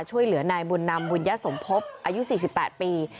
ช่วยเหลือนายบุญนำบุญญสมภพอายุ๔๘ปี